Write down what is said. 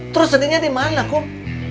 terus seninya di mana kum